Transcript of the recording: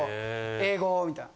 「英語」みたいな。